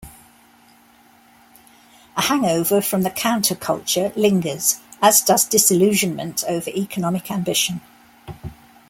A hangover from the counterculture lingers, as does disillusionment over economic ambition.